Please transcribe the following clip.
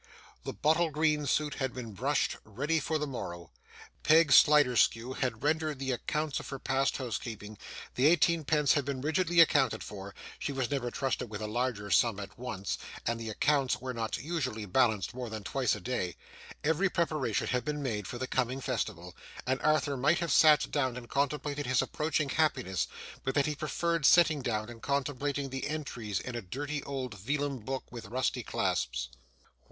The bottle green suit had been brushed, ready for the morrow. Peg Sliderskew had rendered the accounts of her past housekeeping; the eighteen pence had been rigidly accounted for (she was never trusted with a larger sum at once, and the accounts were not usually balanced more than twice a day); every preparation had been made for the coming festival; and Arthur might have sat down and contemplated his approaching happiness, but that he preferred sitting down and contemplating the entries in a dirty old vellum book with rusty clasps.